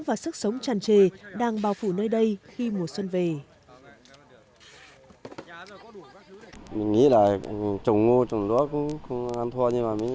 và sức sống tràn trề đang bào phủ nơi đây khi mùa xuân này